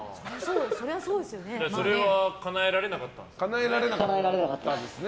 それはかなえられなかったんですか？